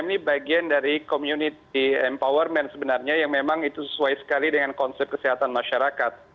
ini bagian dari community empowerment sebenarnya yang memang itu sesuai sekali dengan konsep kesehatan masyarakat